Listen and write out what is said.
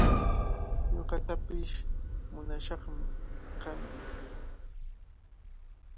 Ñuqatapish muyamashqami.